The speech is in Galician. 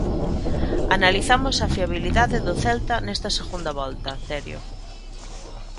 Analizamos a fiabilidade do Celta nesta segunda volta, Terio.